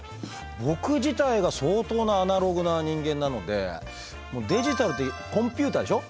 僕自体が相当なアナログな人間なのでデジタルってコンピューターでしょ？